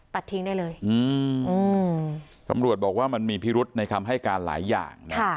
ตัดทิ้งได้เลยตำรวจบอกว่ามันมีพิรุษในคำให้การหลายอย่าง